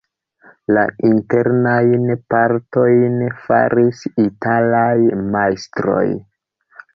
La internajn partojn faris italaj majstroj.